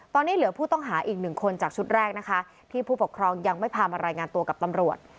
ตอนนี้เหลือผู้ต้องหาอีกหนึ่งคนจากชุดแรกนะคะที่ผู้ปกครองยังไม่พามารายงานตัวกับตำรวจ